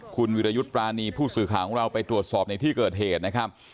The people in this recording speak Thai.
คุณวิรยุทธ์ปรานีผู้สื่อข่าวของเราไปตรวจสอบในที่เกิดเหตุนะครับ